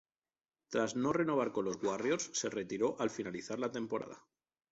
Tras no renovar con los Warriors, se retiró al finalizar la temporada.